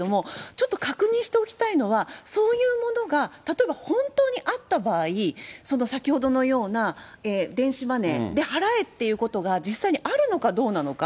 ちょっと確認しておきたいのは、そういうものが、例えば本当にあった場合、先ほどのような電子マネーで払えっていうことが実際にあるのかどうなのか。